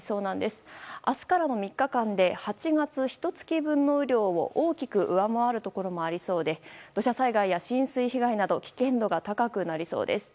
明日からの３日間で８月ひと月分の雨量を大きく上回るところもありそうで土砂災害や浸水被害など危険度が高くなりそうです。